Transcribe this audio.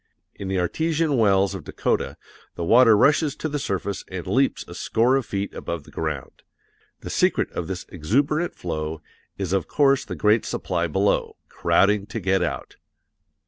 In the artesian wells of Dakota the water rushes to the surface and leaps a score of feet above the ground. The secret of this exuberant flow is of course the great supply below, crowding to get out.